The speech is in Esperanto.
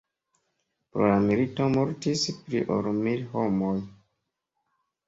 Pro la milito mortis pli ol mil homoj.